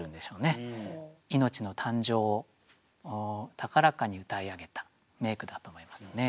命の誕生を高らかに詠い上げた名句だと思いますね。